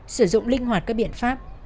sử dụng linh hoạt các biện pháp